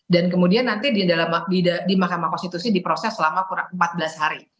dan kemudian nanti di mahkamah konstitusi diproses selama kurang empat belas hari